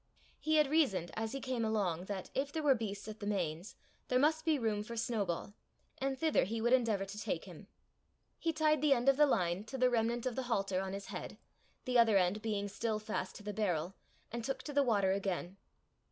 He had reasoned as he came along that, if there were beasts at the Mains, there must be room for Snowball, and thither he would endeavour to take him. He tied the end of the line to the remnant of the halter on his head, the other end being still fast to the barrel, and took to the water again.